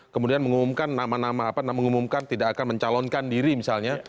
kemudian mengumumkan nama nama apa nama mengumumkan tidak akan mencalonkan diri misalnya